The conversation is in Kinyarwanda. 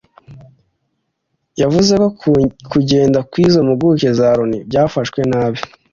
yavuze ko kugenda kw’izo mpuguke za Loni byafashwe nabi